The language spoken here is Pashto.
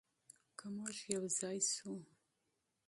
که موږ متحد شو.